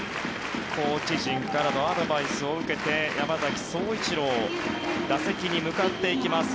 コーチ陣からのアドバイスを受けて山崎颯一郎打席に向かっていきます。